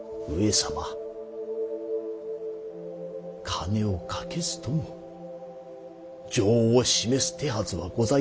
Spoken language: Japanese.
金をかけずとも情を示す手はずはございます。